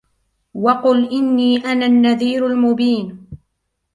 وَقُلْ إِنِّي أَنَا النَّذِيرُ الْمُبِينُ